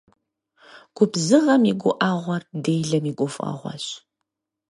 Губзыгъэм и гуӀэгъуэр делэм и гуфӀэгъуэщ.